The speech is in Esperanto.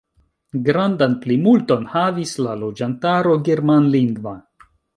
Grandan plimulton havis la loĝantaro germanlingva.